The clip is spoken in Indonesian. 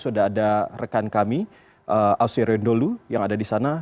sudah ada rekan kami ausirion dholu yang ada di sana